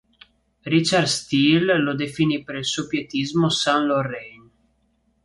Richard Steele lo definì per il suo pietismo "San Lorrain".